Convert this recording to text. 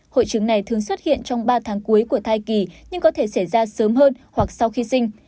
hội chứng này thường xuất hiện trong ba tháng cuối của thai kỳ nhưng có thể xảy ra sớm hơn hoặc sau khi sinh